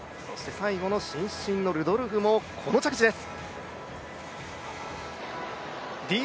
最後の伸身のルドルフもこの着地です。